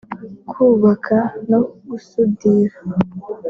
kubaka no gusudira